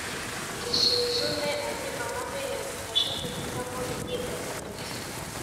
dusuzume andi mahame yadufasha guhitamo imyidagaduro